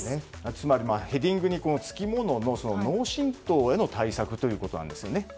つまりヘディングにつきものの脳しんとうへの対策ということなんですよね。